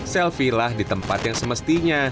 selfie lah di tempat yang semestinya